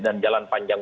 dan jalan panjang